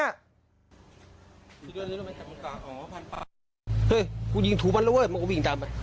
เฮ้ยกูยิงถูกมันแล้วเว้ยมันก็วิ่งตามไป